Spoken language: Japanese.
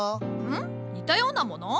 似たようなもの？